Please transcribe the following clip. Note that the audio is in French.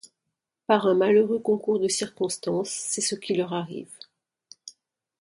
Par un malheureux concours de circonstances, c'est ce qui leur arrive.